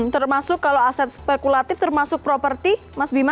termasuk kalau aset spekulatif termasuk properti mas bima